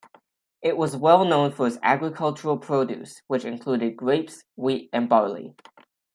It was well known for its agricultural produce, which included grapes, wheat, and barley.